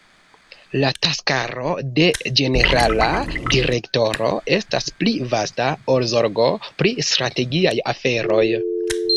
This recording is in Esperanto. La taskaro de Ĝenerala Direktoro estas pli vasta ol zorgo pri strategiaj aferoj.